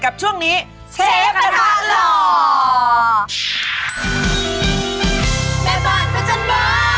กับช่วงนี้เชฟกะทะหล่อ